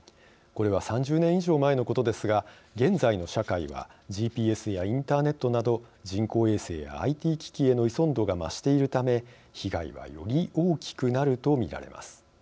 これは３０年以上前のことですが現在の社会はＧＰＳやインターネットなど人工衛星やＩＴ機器への依存度が増しているため被害は、より大きくなると見られます。